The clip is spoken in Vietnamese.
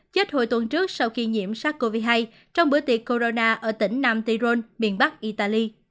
chết hồi tuần trước sau khi nhiễm sars cov hai trong bữa tiệc corona ở tỉnh nam tây rôn miền bắc italy